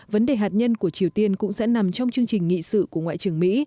vấn đề hạt nhân của triều tiên cũng sẽ nằm trong chương trình nghị sự của ngoại trưởng mỹ